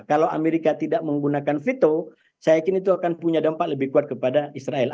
kalau amerika tidak menggunakan vito saya yakin itu akan punya dampak lebih kuat kepada israel